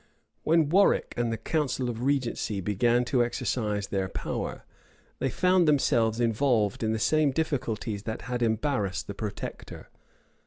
} When Warwick and the council of regency began to exercise their power, they found themselves involved in the same difficulties that had embarrassed the protector.